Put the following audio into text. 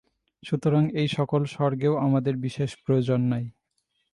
সুতরাং এই-সকল স্বর্গেও আমাদের বিশেষ প্রয়োজন নাই।